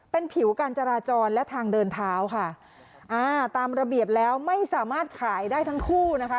เป็นผิวการจราจรและทางเดินเท้าค่ะอ่าตามระเบียบแล้วไม่สามารถขายได้ทั้งคู่นะคะ